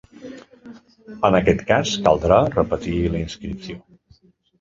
En aquest cas, caldrà repetir la inscripció.